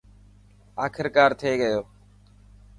آخرڪار ٿي گيو.